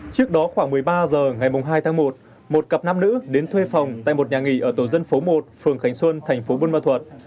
trước đó khoảng một mươi ba h ngày hai tháng một một cặp nam nữ đến thuê phòng tại một nhà nghỉ ở tổ dân phố một phường khánh xuân thành phố buôn ma thuật